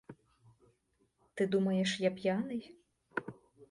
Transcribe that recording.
Ти думаєш, я п'яний?